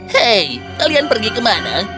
hei kalian pergi kemana